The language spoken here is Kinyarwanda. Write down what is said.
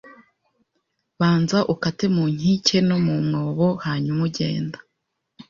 Banza ukate mu nkike no mu mwobo hanyuma ugenda